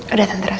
udah tante rasa